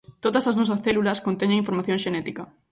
Todas as nosas células conteñen información xenética.